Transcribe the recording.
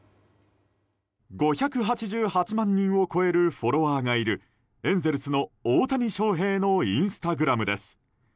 ５８８万人を超えるフォロワーがいるエンゼルスの大谷翔平のインスタグラムです。